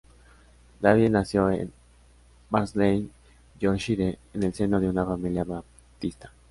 Davie nació en Barnsley, Yorkshire, en el seno de una familia baptista.